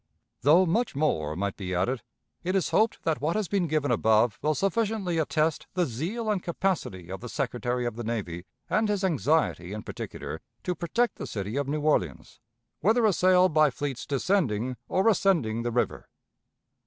Though much more might be added, it is hoped that what has been given above will sufficiently attest the zeal and capacity of the Secretary of the Navy, and his anxiety, in particular, to protect the city of New Orleans, whether assailed by fleets descending or ascending the river.